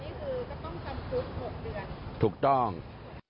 คณะนี้คือกระต้องกรรมสุด๖เดือน